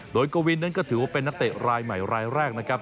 โดยกวินนั้นก็ถือว่าเป็นนักเตะรายใหม่รายแรกนะครับ